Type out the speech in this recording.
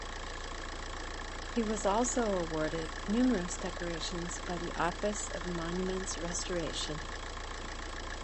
He was also awarded numerous decorations by the Office of Monuments Restoration.